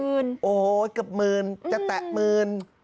กับมืนโอ้โหกับมืนจะแตะมืน